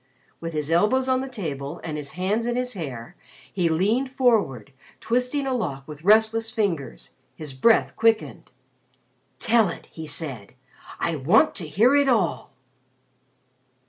With his elbows on the table and his hands in his hair, he leaned forward, twisting a lock with restless fingers. His breath quickened. "Tell it," he said, "I want to hear it all!"